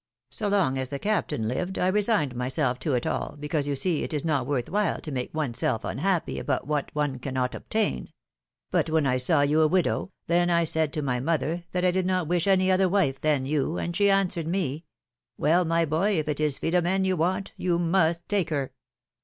So long as the Captain lived, I resigned myself to it all, because, you see, it is not worth while to make one's self unhappy about what one cannot obtain ; but when I saw you a widow, then I said to my mother that I did not wish any other wife than you, and she answered me: 'Well, my boy, if it is Philom^ne you want, you must take her